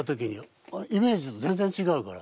イメージと全然違うから。